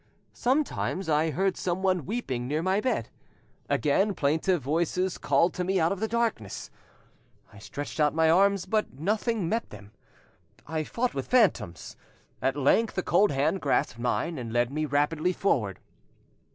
Sometimes I heard someone weeping near my bed; again plaintive voices called to me out of the darkness. I stretched out my arms, but nothing met them, I fought with phantoms; at length a cold hand grasped mine and led me rapidly forward.